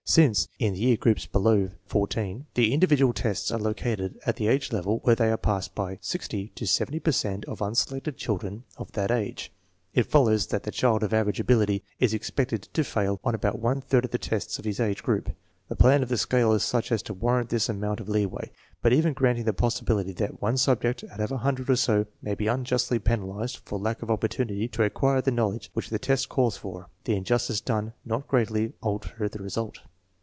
Since (in the year groups below XIV) the individual tests are located at the age level where they are passed by 60 to 70 per cent of unselected children of that age, it follows that the child of average ability is expected to fail on about one third of the tests of his age group. The plan of the scale is such as to warrant this amount of leeway. But even granting the possibility that one subject out of a hundred or so may be unjustly penalized for lack of opportunity to acquire the knowledge which the test calls for, the injustice done does not greatly alter the result.